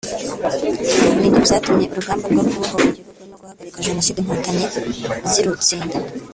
ni byo byatumye urugamba rwo kubohora igihugu no guhagarika Jenoside Inkotanyi zirutsinda